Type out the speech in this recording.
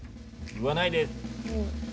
言わないです。